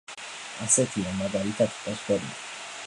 ასეთია მაგალითად ფოსფორიტი.